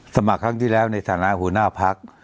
สมัครครั้งที่ราวในฐานะหูหน้าพลักษณ์